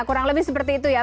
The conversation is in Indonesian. kurang lebih seperti itu ya